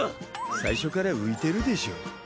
最初から浮いてるでしょ。